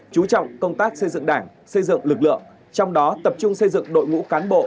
chú trọng công tác xây dựng đảng xây dựng lực lượng trong đó tập trung xây dựng đội ngũ cán bộ